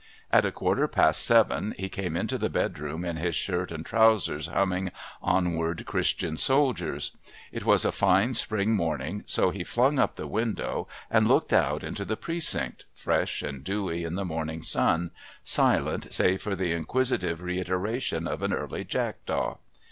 At a quarter past seven he came into the bedroom in his shirt and trousers, humming "Onward, Christian Soldiers." It was a fine spring morning, so he flung up the window and looked out into the Precinct, fresh and dewy in the morning sun, silent save for the inquisitive reiteration of an early jackdaw.